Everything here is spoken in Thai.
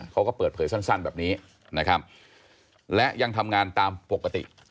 เขาก็เปิดเผยสั้นแบบนี้นะครับและยังทำงานตามปกติ